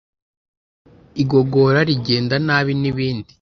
igogora rigend nabi n’ibindi